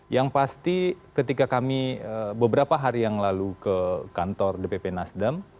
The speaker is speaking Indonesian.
yang pasti ketika kami beberapa hari yang lalu ke kantor dpp nasdem